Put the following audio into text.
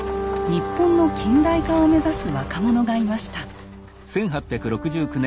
日本の近代化を目指す若者がいました。